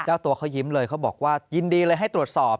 เจ้าตัวเขายิ้มเลยเขาบอกว่ายินดีเลยให้ตรวจสอบ